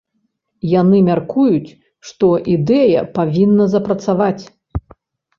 Яны мяркуюць, што ідэя павінна запрацаваць.